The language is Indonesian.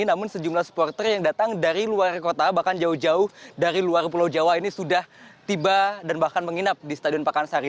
namun sejumlah supporter yang datang dari luar kota bahkan jauh jauh dari luar pulau jawa ini sudah tiba dan bahkan menginap di stadion pakansari